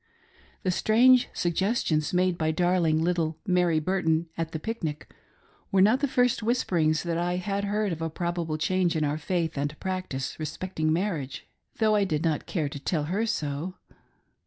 The strange suggestions made by dar ling little Mary Burton at the pic nic, were not the first whisperings that I Tiad heard of a probable change in our faith and practice respecting marriage; though I did not care to tell her so.